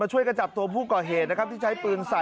ช่วยกันจับตัวผู้ก่อเหตุนะครับที่ใช้ปืนใส่